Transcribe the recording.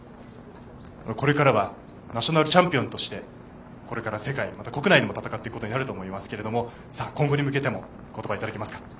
これからはナショナルチャンピオンとしてこれから世界、また国内でも戦っていくことになると思いますが今後に向けての言葉をいただけますか。